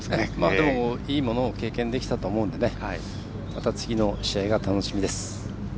でも、いいものを経験できたと思うのでまた次の試合が楽しみです。